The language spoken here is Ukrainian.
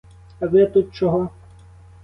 А ви тут чого?